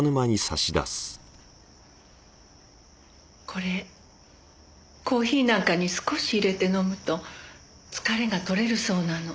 これコーヒーなんかに少し入れて飲むと疲れが取れるそうなの。